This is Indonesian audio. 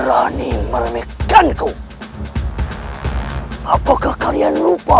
hai apakah kalian lupa